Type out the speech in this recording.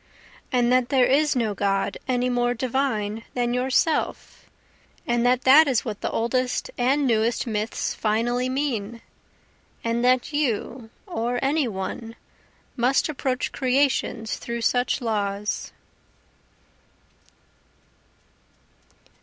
And that there is no God any more divine than Yourself? And that that is what the oldest and newest myths finally mean? And that you or any one must approach creations through such laws?